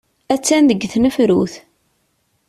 Attan deg tnefrut.